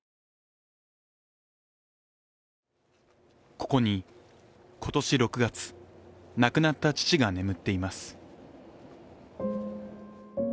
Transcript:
ここに今年６月、亡くなった父が眠っています。